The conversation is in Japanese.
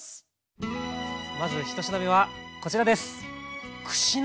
まず１品目はこちらです。